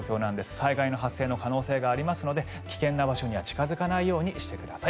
災害の発生の可能性がありますので危険な場所には近付かないようにしてください。